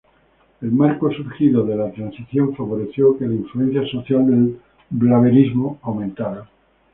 El marco surgido de la transición favoreció que la influencia social del blaverismo aumentara.